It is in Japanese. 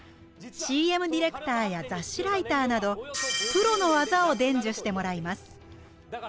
ＣＭディレクターや雑誌ライターなどプロの技を伝授してもらいます。